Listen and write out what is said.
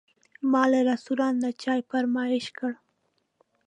ما له رستورانت نه چای فرمایش کړ.